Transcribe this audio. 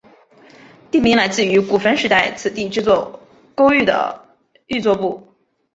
地名来自于古坟时代此地制作勾玉的玉作部。